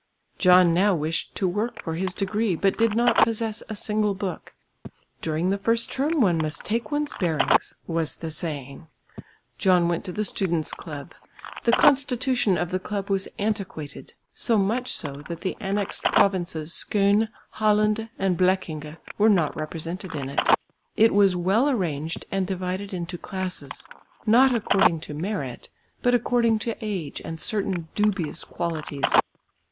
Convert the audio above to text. John now wished to work for his degree but did not possess a single book. "During the first term one must take one's bearings" was the saying. John went to the student's club. The constitution of the club was antiquated, so much so that the annexed provinces Skåne, Halland and Blekinge were not represented in it. It was well arranged and divided into classes, not according to merit, but according to age and certain dubious qualities.